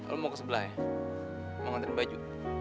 lo mau ke sebelah ya mau ngantri baju